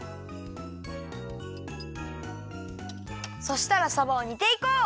そしたらさばを煮ていこう。